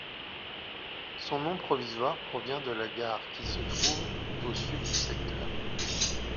Son nom provisoire provient de la gare qui se trouve au sud du secteur.